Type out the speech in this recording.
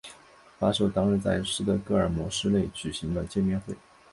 发售当日在斯德哥尔摩市内举行了见面会。